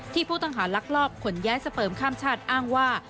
ผู้ต้องหาลักลอบขนย้ายสเปิมข้ามชาติอ้างว่า